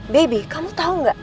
baby kamu tau gak